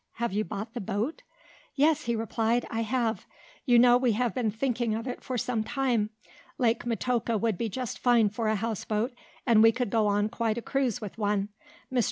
"Have you bought the boat?" "Yes," he replied, "I have. You know we have been thinking of it for some time. Lake Metoka would be just fine for a houseboat, and we could go on quite a cruise with one. Mr.